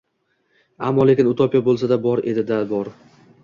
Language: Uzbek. Ammo-lekin utopiya bo‘lsa-da... bor edi-da, bor!